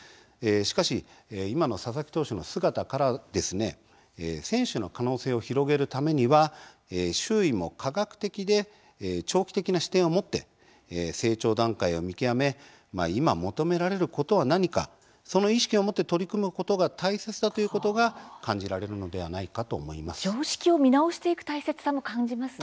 しかし、今の佐々木投手の姿から選手の可能性を広げるためには周囲も科学的で長期的な視点を持って成長段階を見極め今、求められることは何かその意識を持って取り組むことが大切だということが感じられるのではないかと思います。